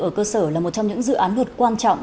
ở cơ sở là một trong những dự án luật quan trọng